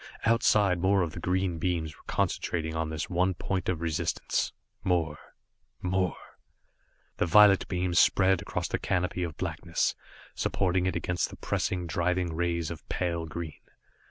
Outside more of the green beams were concentrating on this one point of resistance. More more The violet beam spread across the canopy of blackness, supporting it against the pressing, driving rays of pale green.